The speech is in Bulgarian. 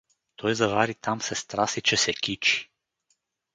Той завари там сестра си, че се кичи.